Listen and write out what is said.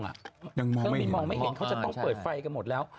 เครื่องบินมองไม่เห็นเขาจะต้องเปิดไฟกันหมดแล้ว